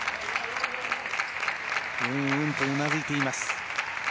うんうんと、うなずいています。